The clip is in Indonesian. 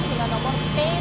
dengan kode pantauan udara